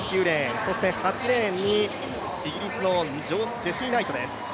そして８レーンにイギリスのジェシー・ナイトです。